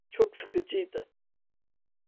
Çok sıkıcıydı.